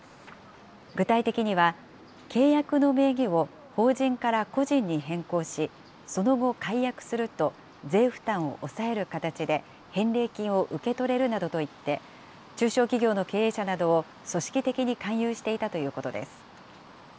具体的には、契約の名義を法人から個人に変更し、その後解約すると、税負担を抑える形で、返戻金を受け取れるなどといって、中小企業の経営者などを組織的に勧誘していたということです。